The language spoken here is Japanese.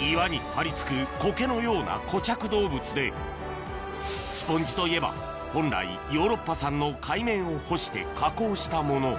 岩に張り付くコケのような固着動物でスポンジといえば本来ヨーロッパ産の海綿を干して加工したもの